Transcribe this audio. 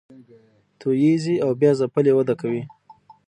توییږي او بیا ځپلې وده کوي